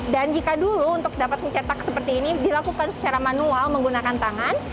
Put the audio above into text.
dan jika dulu untuk dapat mencetak seperti ini dilakukan secara manual menggunakan tangan